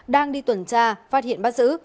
đang đi tuần tra phát hiện bắt giữ